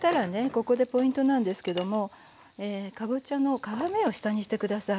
ここでポイントなんですけどもかぼちゃの皮目を下にして下さい。